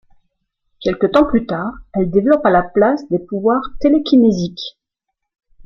Quelque temps plus tard, elle développe à la place des pouvoirs télékinésiques.